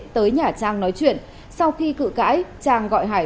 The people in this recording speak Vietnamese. tới nhà trang nói chuyện sau khi cự cãi trang gọi hải